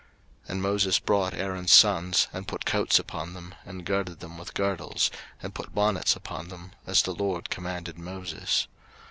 03:008:013 And Moses brought Aaron's sons, and put coats upon them, and girded them with girdles, and put bonnets upon them; as the LORD commanded Moses.